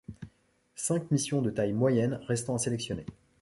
Cinq missions de taille moyenne restant à sélectionner.